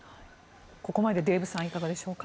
ここまで、デーブさんいかがでしょうか。